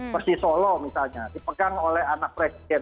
persis solo misalnya dipegang oleh anak presiden